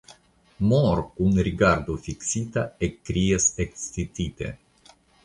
Moor kun rigardo fiksita ekkrias ekscitite.